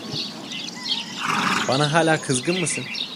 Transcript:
Bana hala kızgın mısın?